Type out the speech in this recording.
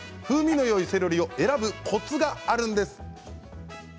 風味のよいセロリを選ぶコツがあるんです。